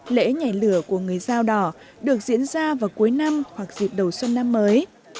lễ nhảy lửa của người dao đỏ được diễn ra vào cuối năm hoặc dịp đầu xuân năm mới